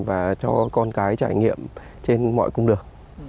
và cho con cái trải nghiệm trên mọi cung đường